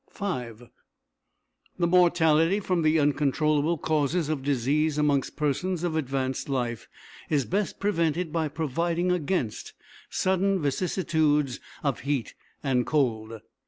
V The mortality from the uncontrollable causes of disease amongst persons of advanced life is best prevented by providing against sudden vicissitudes of heat and cold.